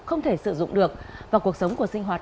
không thể sử dụng được và cuộc sống của sinh hoạt